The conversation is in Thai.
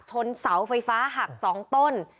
ชนเสาไฟฟ้าหัก๒ต้น